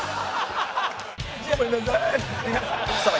ごめんなさい。